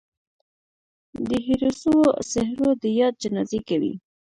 د هېرو سوو څهرو د ياد جنازې کوي